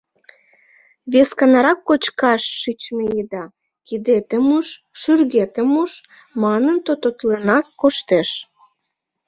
Весканарак кочкаш шичме еда «Кидетым муш, шӱргетым муш!» манын тототленак коштеш.